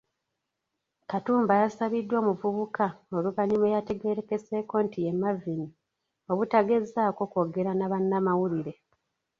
Katumba yasabiddwa omuvubuka oluvannyuma eyategeerekese nti ye Marvin, obutagezaako kwogera na bannamawulire.